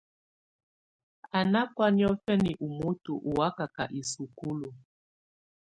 Á ná kɔ̀á niɔ̀fɛna ú moto ù wakaka isukulu.